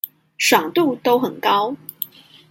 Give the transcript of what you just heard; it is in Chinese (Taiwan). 爽度都很高